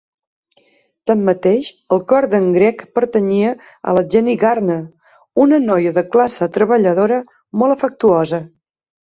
Tanmateix, el cor d"en Greg pertanyia a la Jenny Gardner, una noia de classe treballadora molt afectuosa.